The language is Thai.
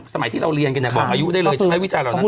สมัยที่เราเรียนกันเนี่ยบอกอายุได้เลยใช่ไหมวิจารณเหล่านั้น